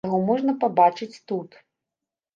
Яго можна пабачыць тут.